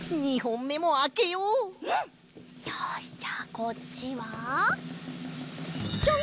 よしじゃあこっちはジャン！